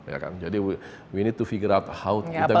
ya kan jadi we need to figure out how kita bisa menggunakan